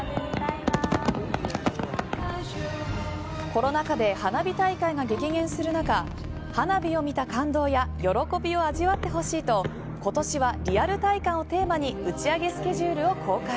コロナ禍で花火大会が激減する中花火を見た感動や喜びを味わってほしいと今年はリアル体感をテーマに打ち上げスケジュールを公開。